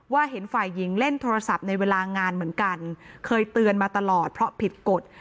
เห็นฝ่ายหญิงเล่นโทรศัพท์ในเวลางานเหมือนกันเคยเตือนมาตลอดเพราะผิดกฎ